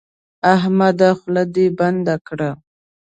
احمده خوله دې بنده کړه.